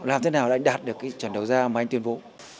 làm thế nào để anh đạt được cái chuẩn đầu ra mà anh tuyên vụ